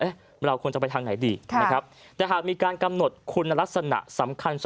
เราควรจะไปทางไหนดีนะครับแต่หากมีการกำหนดคุณลักษณะสำคัญ